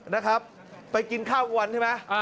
นะครับไปกินข้าววันใช่ไหม